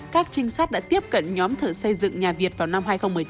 các trinh sát đã tiếp cận nhóm thợ xây dựng nhà việt vào năm hai nghìn một mươi tám